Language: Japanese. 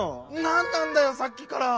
なんなんだよさっきから！